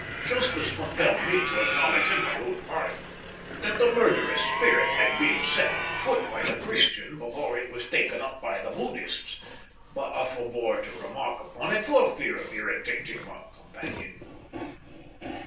Justice compelled me to acknowledge in my own heart that the murderous spirit had been set on foot by the Christian before it was taken up by the Buddhists, but I forbore to remark upon it, for fear of irritating my companion.